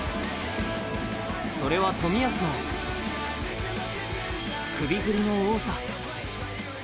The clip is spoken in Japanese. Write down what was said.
それは冨安の首振りの多さ。